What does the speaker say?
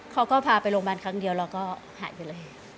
เขาก็พาไปโรงพยาบาลครั้งเดียวแล้วก็หายไปเลย